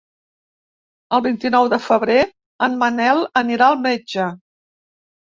El vint-i-nou de febrer en Manel anirà al metge.